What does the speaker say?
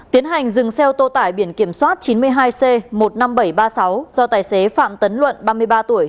tiến hành dừng xe ô tô tải biển kiểm soát chín mươi hai c một mươi năm nghìn bảy trăm ba mươi sáu do tài xế phạm tấn luận ba mươi ba tuổi